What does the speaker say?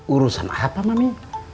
urusan apa mami